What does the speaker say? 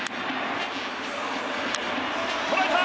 捉えた！